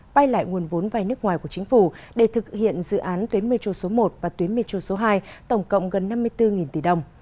bay lại nguồn vốn vai nước ngoài của chính phủ để thực hiện dự án tuyến metro số một và tuyến metro số hai tổng cộng gần năm mươi bốn tỷ đồng